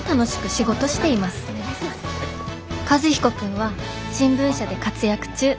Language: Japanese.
和彦君は新聞社で活躍中。